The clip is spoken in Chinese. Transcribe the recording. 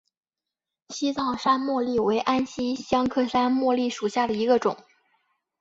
西藏山茉莉为安息香科山茉莉属下的一个种。